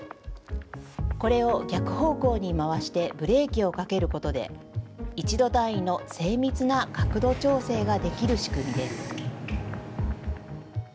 これを逆方向に回してブレーキをかけることで、１度単位の精密な角度調整ができる仕組みです。